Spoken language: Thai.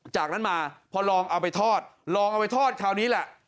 จากนั้นมาพอลองเอาไปทอดลองเอาไปทอดคราวนี้แหละ